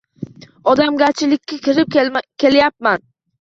Odamgarchilikka kirib kelyapman.